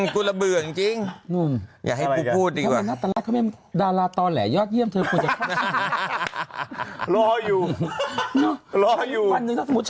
กูระเบื่อจริงจริงอยากให้พูดดีกว่าดาราตอแหละยอดเยี่ยมรออยู่รออยู่